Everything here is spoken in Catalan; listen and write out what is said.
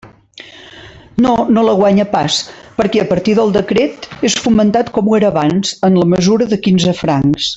No, no la guanya pas; perquè, a partir del decret, és fomentat com ho era abans, en la mesura de quinze francs.